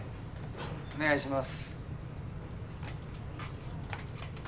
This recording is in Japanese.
・お願いします。